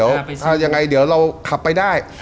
อย่างไรเดี๋ยวเราขับไปได้